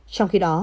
trong khi đó